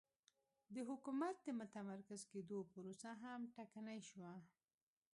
د حکومت د متمرکز کېدو پروسه هم ټکنۍ شوه